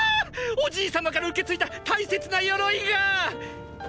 おじい様から受け継いだ大切な鎧がァ！